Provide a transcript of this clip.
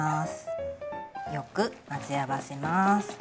よく混ぜ合わせます。